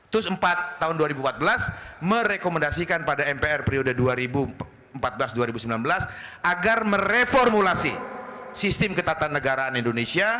tus empat tahun dua ribu empat belas merekomendasikan pada mpr periode dua ribu empat belas dua ribu sembilan belas agar mereformulasi sistem ketatanegaraan indonesia